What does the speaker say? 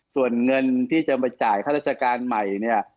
ส่วนเงินที่จะมาจ่ายค่าราชการใหม่เนี่ย